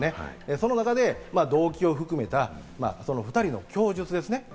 その中で動機を含めた２人の供述ですね。